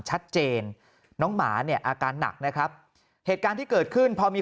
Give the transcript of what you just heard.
ชัดเจนน้องหมาเนี่ยอาการหนักนะครับเหตุการณ์ที่เกิดขึ้นพอมี